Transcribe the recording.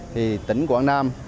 thì tỉnh quảng nam